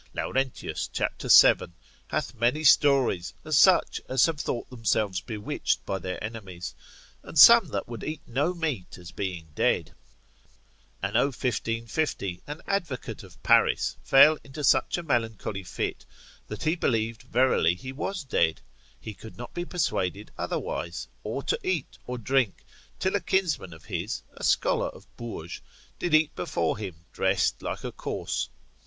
Laurentius cap. 7. hath many stories of such as have thought themselves bewitched by their enemies; and some that would eat no meat as being dead. Anno 1550 an advocate of Paris fell into such a melancholy fit, that he believed verily he was dead, he could not be persuaded otherwise, or to eat or drink, till a kinsman of his, a scholar of Bourges, did eat before him dressed like a corse.